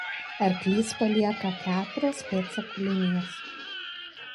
Arklys palieka keturias pėdsakų linijas.